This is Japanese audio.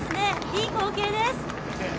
いい光景です。